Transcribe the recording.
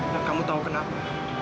dan kamu tahu kenapa